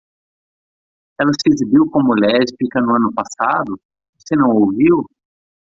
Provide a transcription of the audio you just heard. Ela se exibiu como lésbica no ano passado? você não ouviu?